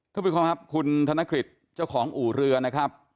ทุกคนค่ะคุณธนคริสเจ้าของอู่เรือนะครับ